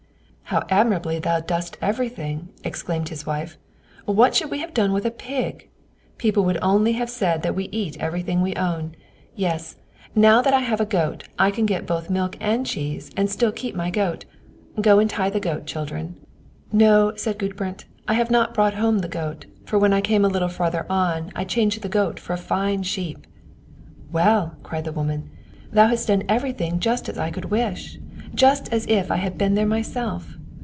"How admirably thou dost everything," exclaimed his wife. "What should we have done with a pig? People would only have said that we eat everything we own. Yes, now that I have a goat, I can get both milk and cheese, and still keep my goat. Go and tie the goat, children." "No," said Gudbrand, "I have not brought home the goat; for when I came a little further on, I changed the goat for a fine sheep." "Well," cried the woman, "thou hast done everything just as I could wish; just as if I had been there myself.